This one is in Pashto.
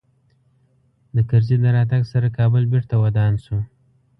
د کرزي د راتګ سره کابل بېرته ودان سو